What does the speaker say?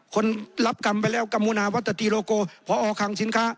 คนรับกรรมไปแล้วกัมมูนาวัตตีโลโกพอคังสินค้า